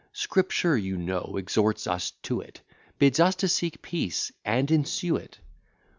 Scripture, you know, exhorts us to it; Bids us to seek peace, and ensue it.